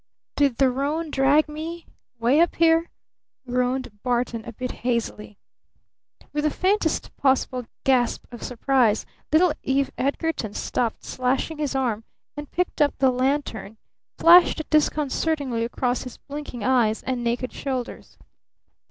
"Did the roan drag me 'way up here?" groaned Barton a bit hazily. With the faintest possible gasp of surprise little Eve Edgarton stopped slashing his arm and, picking up the lantern, flashed it disconcertingly across his blinking eyes and naked shoulders.